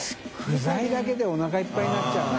餾爐世韻おなかいっぱいになっちゃうな。